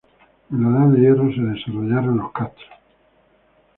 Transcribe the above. En la Edad del hierro, se desarrollaron los castros.